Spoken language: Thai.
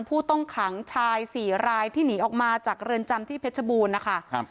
ผู้ต้องขังชายสี่รายที่หนีออกมาจากเรือนจำที่เพชรบูรณ์นะคะครับ